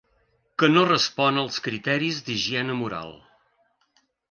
Que no respon als criteris d'higiene moral.